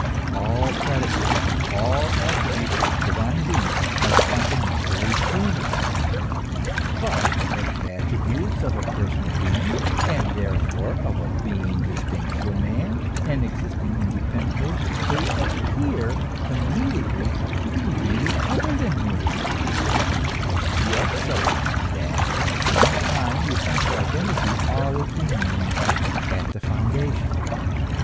All predicates, all attributes of the divine being are fundamentally human; but as attributes of a personal being, and therefore of a being distinct from man and existing independently, they appear immediately to be really other than human, yet so as that at the same time the essential identity always remains at the foundation.